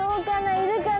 いるかな？